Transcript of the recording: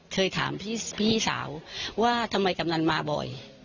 เคยถามพี่สาวว่าทำไมกำนันมาบ่อย